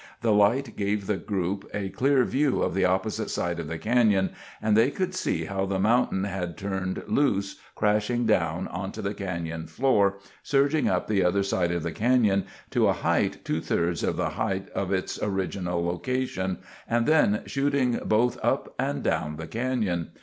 The light gave the group a clear view of the opposite side of the canyon, and they could see how the mountain had turned loose, crashing down onto the canyon floor, surging up the other side of the canyon to a height two thirds of the height of its original location, and then shooting both up and down the canyon.